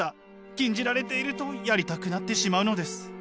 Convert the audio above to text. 禁じられているとやりたくなってしまうのです。